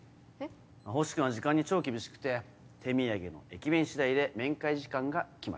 星君は時間に超厳しくて手土産の駅弁次第で面会時間が決まる。